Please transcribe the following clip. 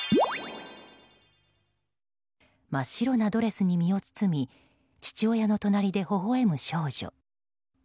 真っ白なドレスに身を包み父親の隣で微笑む少女。